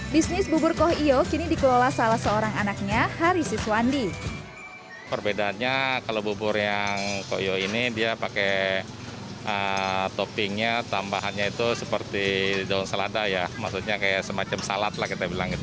bisnis ubur koiok kini dikelola salah seorang anaknya harisiswandi